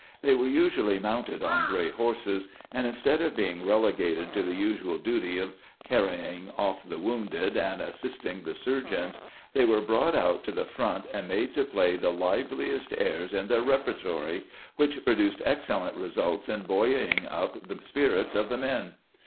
They were usually mounted on gray horses, and instead of being relegated to the usual duty of carrying off the wounded and as sisting the surgeons, they were brought out to the front and made to play the liveliest airs in their repertory, which produced excellent results in buoying up the spirits of the men.